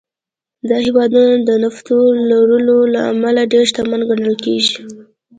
دا هېوادونه د نفتو لرلو له امله ډېر شتمن ګڼل کېږي.